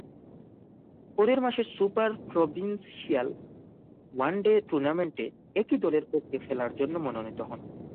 পরের মাসে super provincial one day টুর্নামেন্টে একই দলের পক্ষে খেলার জন্যে মনোনীত হন।